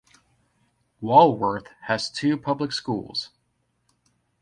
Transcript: Walworth has two public schools.